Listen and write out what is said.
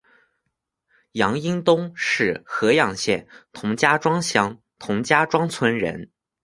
杨荫东是合阳县同家庄乡同家庄村人。